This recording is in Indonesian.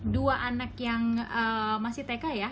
dua anak yang masih tk ya